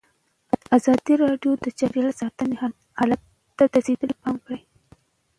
ازادي راډیو د چاپیریال ساتنه حالت ته رسېدلي پام کړی.